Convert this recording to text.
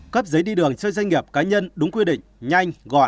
cấp giấy đi đường cho doanh nghiệp cá nhân đúng quy định nhanh gọn